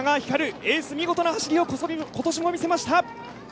エース見事な走りを今年も見せました。